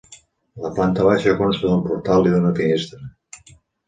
La planta baixa consta d'un portal i d'una finestra.